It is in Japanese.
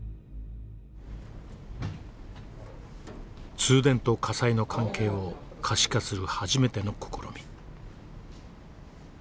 通電と火災の関係を可視化する初めての試み。